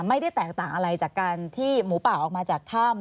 ไม่ได้แตกต่างอะไรจากการที่หมูป่าออกมาจากถ้ำ